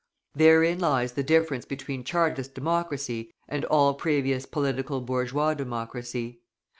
Therein lies the difference between Chartist democracy and all previous political bourgeois democracy.